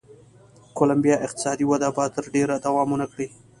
کولمبیا اقتصادي وده به تر ډېره دوام و نه کړي.